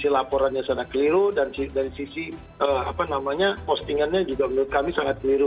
laporannya sangat keliru dan dari sisi postingannya juga menurut kami sangat keliru